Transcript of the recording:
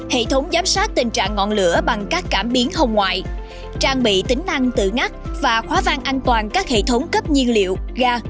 hệ thống giám sát tình trạng ngọn lửa bằng các cảm biến hồng ngoại trang bị tính năng tự ngắt và khóa vang an toàn các hệ thống cấp nhiên liệu ga